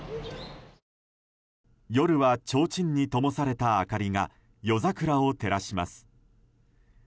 夜は、ちょうちんにともされた明かりが夜桜を照らします。